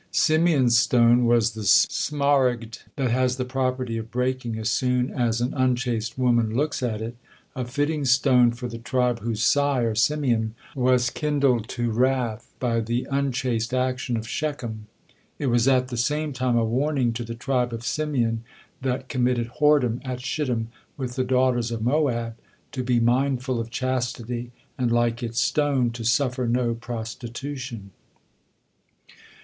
Simeon's stone was the smaragd, that has the property of breaking as soon as an unchaste woman looks at it, a fitting stone for the tribe whose sire, Simeon, was kindles to wrath by the unchaste action of Shechem. It was at the same time a warning to the tribe of Simeon, that committed whoredom at Shittim with the daughters of Moab, to be mindful of chastity, and like its stone, to suffer no prostitution.